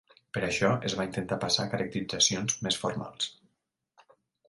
Per això es va intentar passar a caracteritzacions més formals.